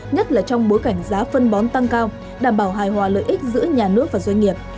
nhất là trong bối cảnh giá phân bón tăng cao đảm bảo hài hòa lợi ích giữa nhà nước và doanh nghiệp